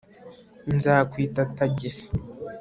nzakwita tagisi